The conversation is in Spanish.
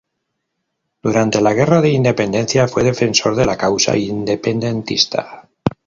Durante la guerra de independencia fue defensor de la causa independentista.